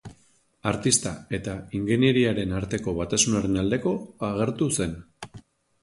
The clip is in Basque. Artista eta ingeniarien arteko batasunaren aldeko agertu zen.